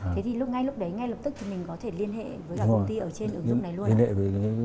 thế thì ngay lúc đấy ngay lập tức thì mình có thể liên hệ với cả công ty ở trên ứng dụng này luôn hả